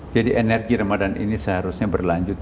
jadi energi ramadan ini seharusnya berlanjut